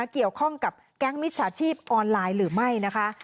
เกี่ยวข้องกับแก๊งมิจฉาชีพออนไลน์หรือไม่นะคะ